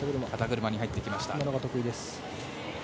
今のが得意です。